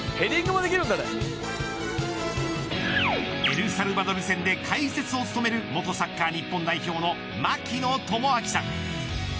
エルサルバドル戦で解説を務める元サッカー日本代表の槙野智章さん。